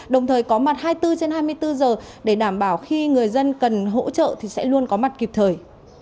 đồng thời có mặt hai mươi bốn trên hai mươi bốn giờ để đảm bảo khi người dân cần hỗ trợ thì sẽ luôn có mặt kịp thời